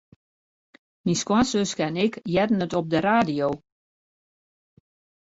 Myn skoansuske en ik hearden it op de radio.